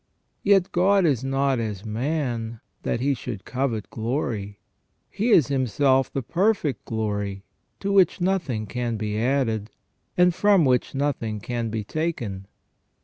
Yet God is not as man that He should covet glory : He is Himself the perfect glory, to which nothing can be added, and from which nothing can be taken.